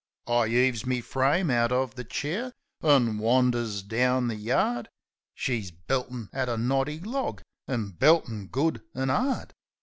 I 'eaves me frame out uv the chair, an' wanders down the yard. She's beltin' at a knotty log, an' beltin' good an' 'ard.